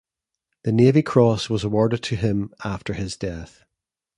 The Navy Cross was awarded to him after his death.